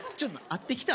会ってきた？